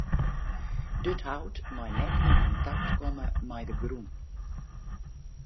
Dit hout mei net yn kontakt komme mei de grûn.